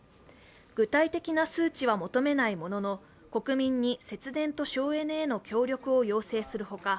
具体的な数値は求めないものの国民に節電と省エネへの協力を要請するほか